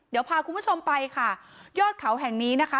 เดี๋ยวพาคุณผู้ชมไปค่ะยอดเขาแห่งนี้นะคะ